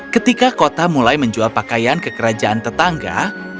ketika kota mulai menjual pakaian ke kerajaan tetangga